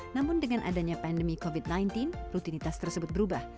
namun dengan adanya pandemi covid sembilan belas rutinitas tersebut berubah